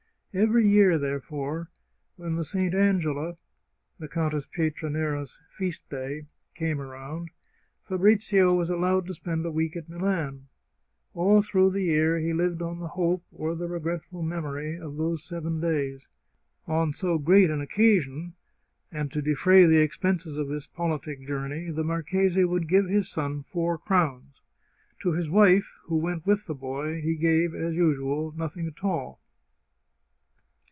Every year, therefore, when the St, Angela (the Countess Pietranera's feast day) came around, Fabrizio was allowed to spend a week at Milan. All through the year he lived on the hope, or the regretful memory, of those seven days. On so great an occasion, and to defray the expenses of this politic journey, the marchese would give his son four crowns. To his wife, who went with the boy, he gave, as usual, nothing at all.